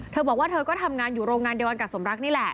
เธอบอกว่าเธอก็ทำงานอยู่โรงงานเดียวกันกับสมรักนี่แหละ